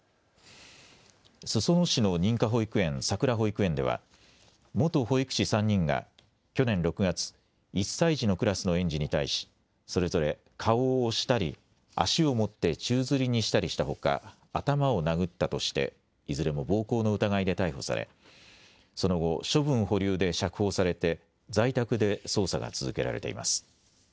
裾野市の認可保育園さくら保育園では元保育士３人が去年６月、１歳児のクラスの園児に対しそれぞれ顔を押したり足を持って宙づりにしたりしたほか、頭を殴ったとしていずれも暴行の疑いで逮捕されその後、処分保留で釈放されて在宅で捜査が続けられています。